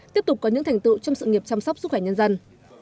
tiếp tục có những thành tựu trong sự nghiệp chăm sóc sức khỏe nhân dân